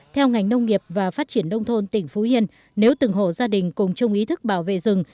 theo ngành nông nghiệp và phát triển đông thôn tỉnh phú yên nếu từng hộ gia đình cùng chung ý thức bảo vệ rừng